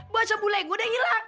bahasa bule gua dah hilang